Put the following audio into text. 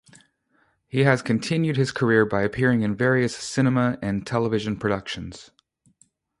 He has continued his career by appearing in various cinema and television productions.